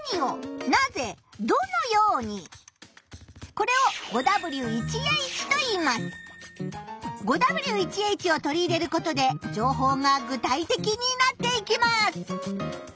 これを５Ｗ１Ｈを取り入れることで情報が具体的になっていきます。